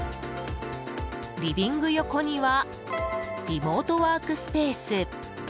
リビング横にはリモートワークスペース。